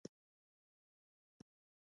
خیرکوټ ولسوالۍ لیرې ده؟